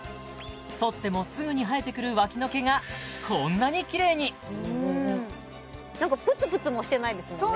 そってもすぐに生えてくるわきの毛がこんなにキレイに何かプツプツもしてないですもんね